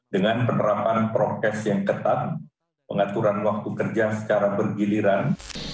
dengan penerapan prokes yang ketat pengaturan waktu kerja secara bergiliran